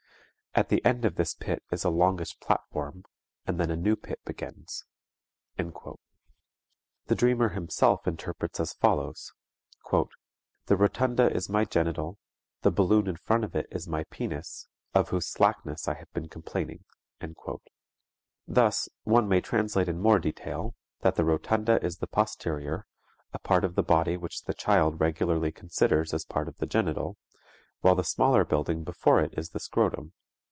At the end of this pit is a longish platform and then a new pit begins...._" The dreamer himself interprets as follows: "The rotunda is my genital, the balloon in front of it is my penis, of whose slackness I have been complaining." Thus one may translate in more detail, that the rotunda is the posterior a part of the body which the child regularly considers as part of the genital while the smaller building before it is the scrotum.